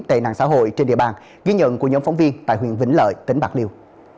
tệ nạn xã hội trên địa bàn ghi nhận của nhóm phóng viên tại huyện vĩnh lợi tỉnh bạc liêu